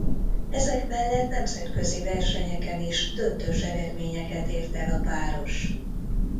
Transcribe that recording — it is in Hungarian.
Ezek mellett nemzetközi versenyeken is döntős eredményeket ért el a páros.